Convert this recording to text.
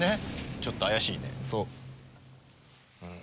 ちょっと怪しいね。